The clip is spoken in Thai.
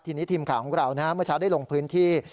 ทีนี้ทีมข่าวของเราเมื่อเช้าได้ลงพื้นที่